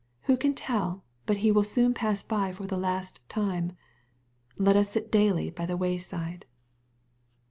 Who can tell but He will soon pass by for the last time ? Let us sit daily by the way.8ide.